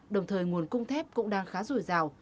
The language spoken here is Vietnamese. đồng thời nguồn cung thép cũng đang khá rùi rào